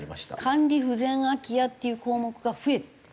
管理不全空き家っていう項目が増える。